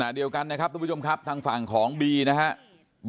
เดียวกันนะครับทุกผู้ชมครับทางฝั่งของบีนะครับ